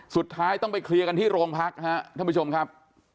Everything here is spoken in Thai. สุดท้ายต้องไปเคลียร์กันที่โรงพักฮะท่านผู้ชมครับ